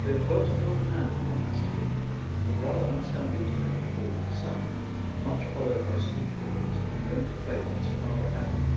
There dwelt an old man in Monastier, of rather unsound intellect according to some, much followed by street boys, and known to fame as Father Adam.